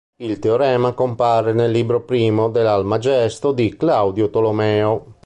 Il teorema compare nel libro primo dell'Almagesto di Claudio Tolomeo.